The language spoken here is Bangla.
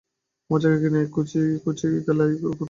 আমার জায়গায় কিনা এই কচি খুকি, এই খেলার পুতুল!